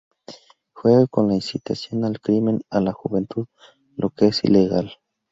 Juega con la incitación al crimen a la juventud, lo que es ilegal".